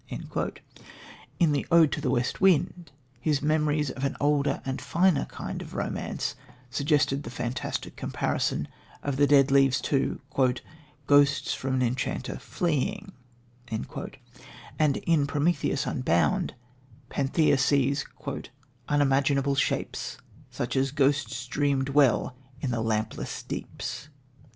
In the Ode to the West Wind his memories of an older and finer kind of romance suggested the fantastic comparison of the dead leaves to "ghosts from an enchanter fleeing," and in Prometheus Unbound Panthea sees "unimaginable shapes Such as ghosts dream dwell in the lampless deeps."